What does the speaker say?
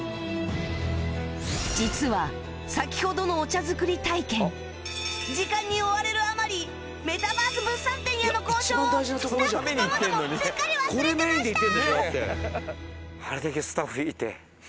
実は先ほどのお茶作り体験時間に追われるあまりメタバース物産展への交渉をスタッフともどもすっかり忘れてました！